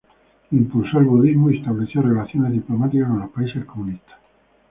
Impulsó el budismo y estableció relaciones diplomáticas con los países comunistas.